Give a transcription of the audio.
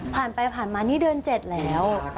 ผ่านไปผ่านมานี่เดือน๗แล้ว